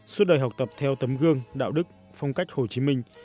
suốt đời học tập theo tấm gương đạo đức phong cách hồ chí minh